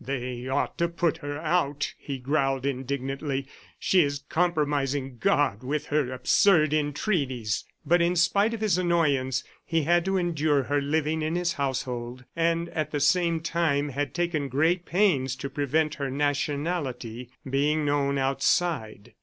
"They ought to put her out!" he growled indignantly. "She is compromising God with her absurd entreaties." But in spite of his annoyance, he had to endure her living in his household, and at the same time had taken great pains to prevent her nationality being known outside.